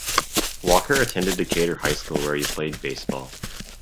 Walker attended Decatur High School where he played baseball.